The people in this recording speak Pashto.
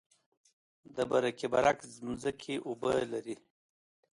د برکي برک ځمکې اوبه لري